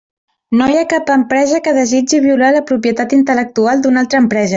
No hi ha cap empresa que desitgi violar la propietat intel·lectual d'una altra empresa.